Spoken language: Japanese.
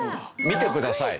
見てください。